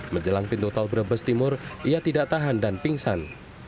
menjelang pintu tol brebes timur ia tidak tahan dan pingsan